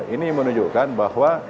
ini menunjukkan bahwa